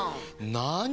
なに？